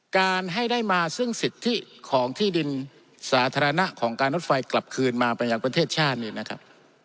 การให้ได้มาซึ่งสิทธิของที่ดินสาธารณะของการรถไฟกลับคืนมาไปยังประเทศชาตินี่นะครับ